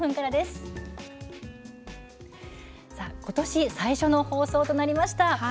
ことし最初の放送となりました。